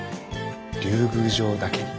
竜宮城だけに。